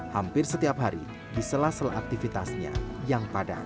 hampir setiap hari diselasel aktivitasnya yang padat